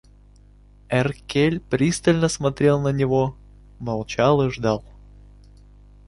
Эркель пристально смотрел на на него, молчал и ждал.